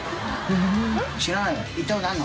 知らないの？